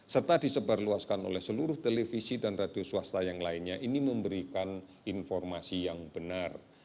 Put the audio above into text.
serta disebarluaskan oleh seluruh televisi dan radio swasta yang lainnya ini memberikan informasi yang benar